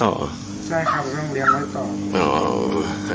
ใช่ครับต้องเลี้ยงไว้ต่อ